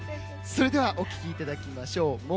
それではお聴きいただきましょう。